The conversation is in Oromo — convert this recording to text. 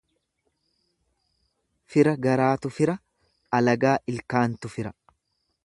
Fira garaatu fira alagaa ilkaantu fira.